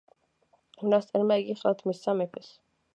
მონასტერმა იგი ხელთ მისცა მეფეს.